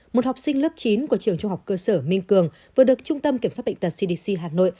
một học sinh lớp chín của trường trung học cơ sở minh cường vừa được trung tâm kiểm soát bệnh tật cdc hà nội